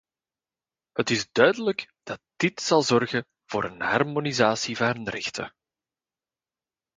Het is duidelijk dat dit zal zorgen voor een harmonisatie van rechten.